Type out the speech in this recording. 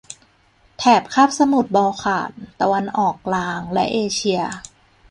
แถบคาบสมุทรบอลข่าน ตะวันออกกลาง และเอเชีย